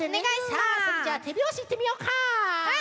さあそれじゃあてびょうしいってみようか！